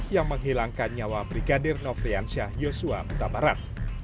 yang menghilangkan nyawa brigadir nofriansyah joshua mutabarat